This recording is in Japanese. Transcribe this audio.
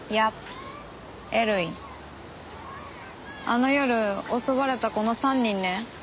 あの夜襲われたこの３人ね。